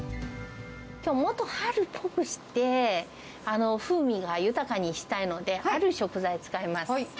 もっと春っぽくして、風味が豊かにしたいので、ある食材を使います。